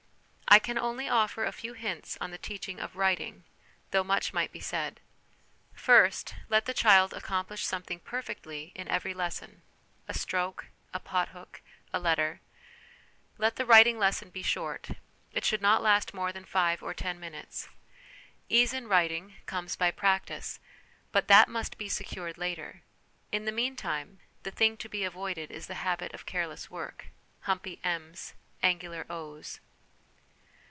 I can only offer a few hints on the teaching of writing, though much might be said. First, let the child accomplish some thing perfectly in every lesson a stroke, a pothook, a letter. Let the writing lesson be short ; it should not last more than five or ten minutes. Ease in 234 HOME EDUCATION writing comes by practice ; but that must be secured later. In the meantime, the thing to be avoided is the habit of careless work humpy m's, angular o's.